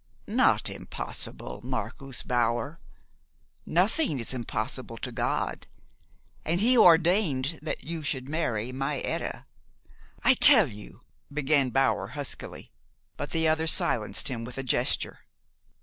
"Not impossible, Marcus Bower. Nothing is impossible to God, and He ordained that you should marry my Etta." "I tell you " began Bower huskily; but the other silenced him with a gesture.